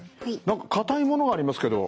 何か硬いものがありますけど。